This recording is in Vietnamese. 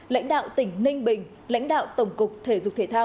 lãnh đạo tỉnh ninh bình lãnh đạo tổng cục thể dục thể thao